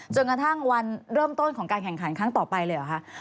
จนกระทั่งวันเริ่มต้นของการแข่งขันครั้งต่อไปเลยเหรอคะ